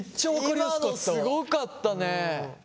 今のすごかったね。